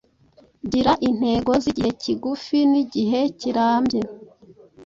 gira intego z’igihe kigufi n’igihe kirambye